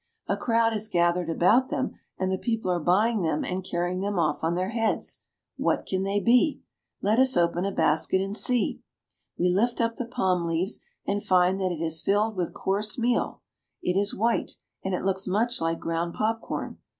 A crowd has gathered about them, and the people are buying them and carrying them off on their heads. What can they be ? Let us open a basket and see. We lift up 3IO BRAZIL. the palm leaves and find that it is filled with coarse meal ; it is white, and it looks much like ground popcorn.